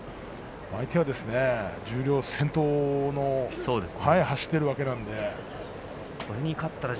相手は十両先頭を走っているわけですから。